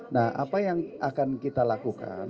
nah apa yang akan kita lakukan